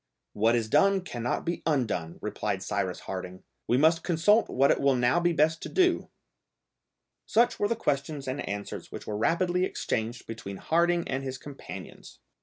"What is done cannot be undone," replied Cyrus Harding. "We must consult what it will now be best to do." Such were the questions and answers which were rapidly exchanged between Harding and his companions.